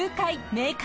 明快！